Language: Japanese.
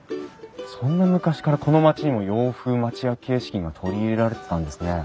そんな昔からこの町にも洋風町屋形式が取り入れられてたんですね。